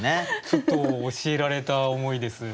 ちょっと教えられた思いです。